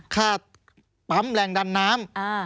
ค่าปั๊มแรงดันน้ำ